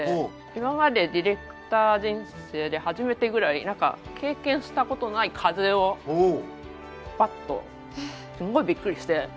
今までディレクター人生で初めてぐらい何か経験したことない風をバッとすごいびっくりして。